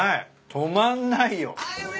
止まんないよ。